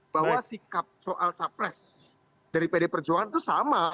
bahwa sikap soal capres dari pd perjuangan itu sama